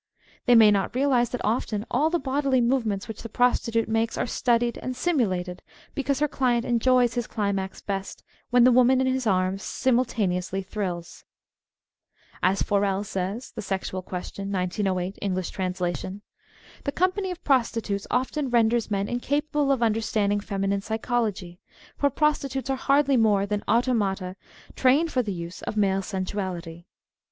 They may not realise that often all the bodily movements which the prostitute makes are studied and simulated because her client enjoys his climax best when the woman in his arms simultaneously thrills. As Forel says ("The Sexual Question," 1908, Engl, trans.) :" The company of prostitutes often renders men incapable of understanding feminine psychology, for prostitutes are hardly more than auto mata trained for the use of male sensuality.